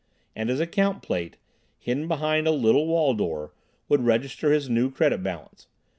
And his account plate, hidden behind a little wall door, would register his new credit balance.